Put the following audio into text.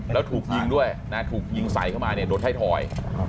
แล้วถูกยิงด้วยนะถูกยิงใสเข้ามาโดดให้ถอย